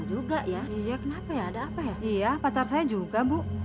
juga rambut saya ya